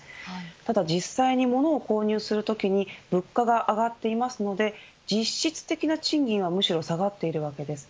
ただ実際に、物を購入するときに物価が上がっていますので実質的な賃金はむしろ下がっているわけです。